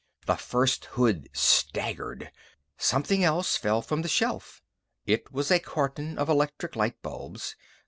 The first hood staggered. Something else fell from the shelf. It was a carton of electric light bulbs.